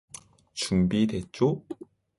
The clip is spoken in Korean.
준비됐죠?